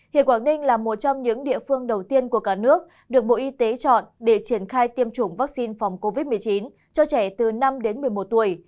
hiện quảng ninh là một trong những địa phương đầu tiên của cả nước được bộ y tế chọn để triển khai tiêm chủng vaccine phòng covid một mươi chín cho trẻ từ năm đến một mươi một tuổi